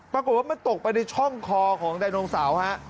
ปรากฏว่ามันตกไปในช่องคอของไดโนเสาร์ฮะ